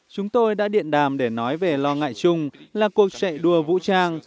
chúng tôi đã điện đàm để nói về lo ngại chung là cuộc chạy đua vũ trang